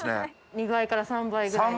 ２倍から３倍ぐらい。